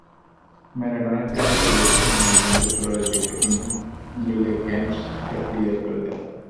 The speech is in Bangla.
ম্যারাডোনা চেষ্টা করেছিলেন একজনকে ক্রস দিতে, কিন্তু মিলেক্যাম্পস সেটা ক্লিয়ার করে দেন।